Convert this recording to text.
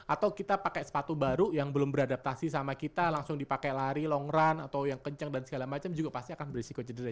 atau kita pakai sepatu baru yang belum beradaptasi sama kita langsung dipakai lari long run atau yang kencang dan segala macam juga pasti akan berisiko cedera